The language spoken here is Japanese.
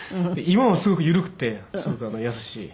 今はすごく緩くてすごく優しい。